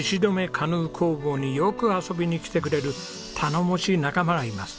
カヌー工房によく遊びに来てくれる頼もしい仲間がいます。